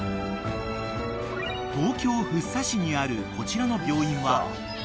［東京福生市にあるこちらの病院は］